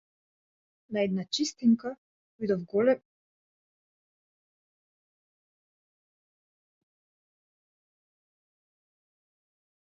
На една чистинка, видов човек со голема најлон кеса во рацете.